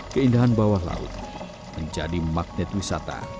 keindahan bawah laut menjadi magnet wisata